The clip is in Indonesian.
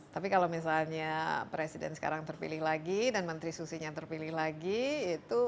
tapi kalau misalnya presiden sekarang terpilih lagi dan menteri susinya terpilih lagi itu